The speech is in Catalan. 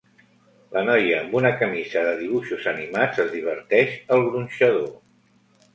La noia amb una camisa de dibuixos animats es diverteix al gronxador.